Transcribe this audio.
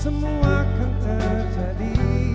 semua akan terjadi